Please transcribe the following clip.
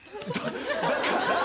だから！